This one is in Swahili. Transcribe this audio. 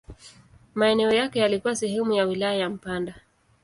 Maeneo yake yalikuwa sehemu ya wilaya ya Mpanda.